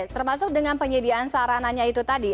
termasuk dengan penyediaan sarananya itu tadi